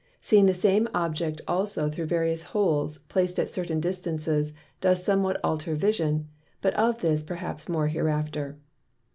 Seeing the same Object also through various holes, plac'd at certain distances, does somewhat alter Vision; but of this perhaps more hereafter.